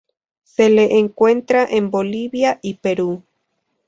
Se la encuentra en Bolivia y Perú.